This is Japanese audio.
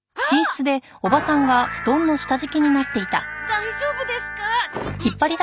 大丈夫ですか？